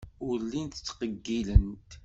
Ur llint ttqeyyilent.